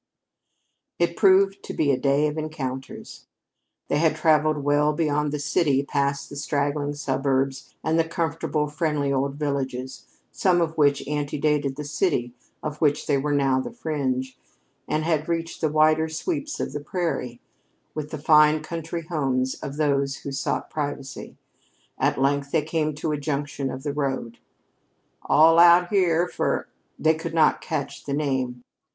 It proved to be a day of encounters. They had traveled well beyond the city, past the straggling suburbs and the comfortable, friendly old villages, some of which antedated the city of which they were now the fringe, and had reached the wider sweeps of the prairie, with the fine country homes of those who sought privacy. At length they came to a junction of the road. "All out here for " They could not catch the name.